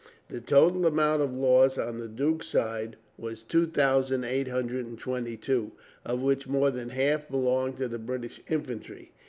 The total amount of loss on the duke's side was two thousand eight hundred and twenty two, of which more than half belonged to the British infantry.